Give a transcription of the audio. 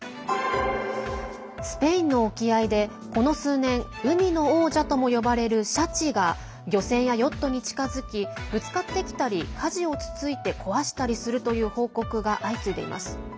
スペインの沖合でこの数年海の王者とも呼ばれるシャチが漁船やヨットに近づきぶつかってきたりかじをつついて壊したりするという報告が相次いでいます。